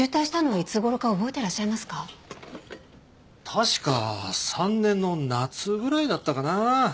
確か３年の夏ぐらいだったかな。